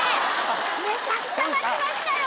めちゃくちゃ待ちましたよ。